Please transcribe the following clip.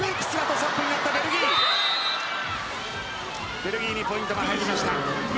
ベルギーにポイントが入りました。